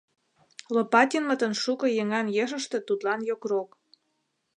Лопатинмытын шуко еҥан ешыште тудлан йокрок.